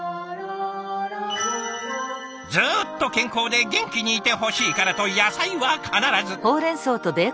ずっと健康で元気にいてほしいからと野菜は必ず。